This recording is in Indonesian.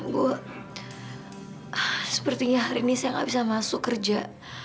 bu sepertinya hari ini saya gak bisa masuk kerja